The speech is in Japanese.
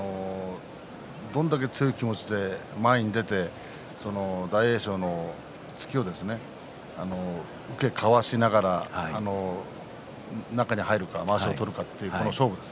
どれだけ強い気持ちで前に出て大栄翔の突きを受けかわしながら中に入るかまわしを取るのかという勝負。